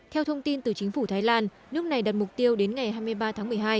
theo thông tin từ chính phủ thái lan nước này đặt mục tiêu đến ngày hai mươi ba tháng một mươi hai